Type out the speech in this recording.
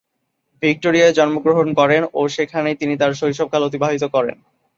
ভিক্টোরিয়ায় জন্মগ্রহণ করেন ও সেখানেই তিনি তার শৈশবকাল অতিবাহিত করেন।